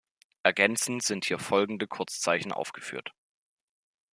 Ergänzend sind hier folgende Kurzzeichen aufgeführt.